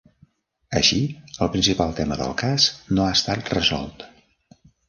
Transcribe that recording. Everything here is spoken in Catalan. Així, el principal tema del cas no ha estat resolt.